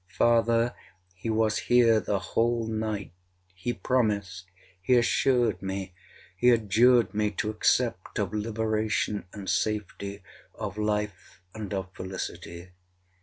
Father, he was here the whole night—he promised—he assured me—he adjured me to accept of liberation and safety, of life and of felicity.